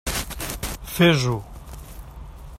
Fes-ho!